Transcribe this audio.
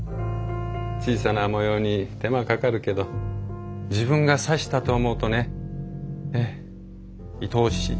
小さな模様に手間かかるけど自分が刺したと思うとねええいとおしい。